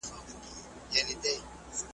نو پر سر او ملا یې ورکړل ګوزارونه ,